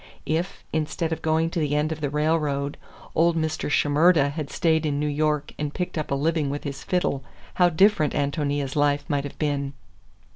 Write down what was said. If, instead of going to the end of the railroad, old Mr. Shimerda had stayed in New York and picked up a living with his fiddle, how different Ántonia's life might have been!